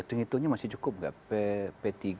hitung hitungnya masih cukup nggak p tiga